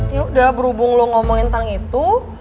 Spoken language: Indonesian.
yaudah berhubung lo ngomongin tentang itu